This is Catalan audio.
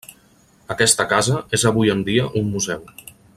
Aquesta casa és avui en dia un museu.